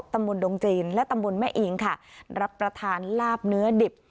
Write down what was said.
ดงจีนและตำบลแม่อิงค่ะรับประทานลาบเนื้อดิบ